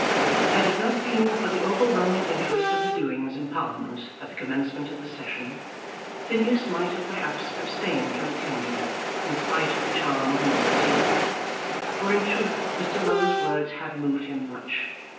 Had it not been for the overwhelming interest of the doings in Parliament at the commencement of the session, Phineas might have perhaps abstained from attending, in spite of the charm of novelty. For, in truth, Mr. Low's words had moved him much.